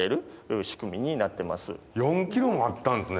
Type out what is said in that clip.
４ｋｇもあったんすね。